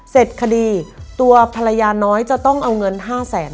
เสร็จคดีตัวภรรยาน้อยจะต้องเอาเงิน๕แสน